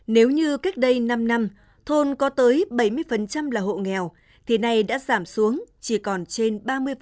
nếu như cách đây năm năm thôn có tới bảy mươi là hộ nghèo thì nay đã giảm xuống chỉ còn trên ba mươi